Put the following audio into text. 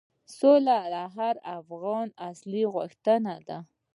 سوله د هر افغان اصلي غوښتنه ده.